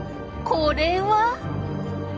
これは？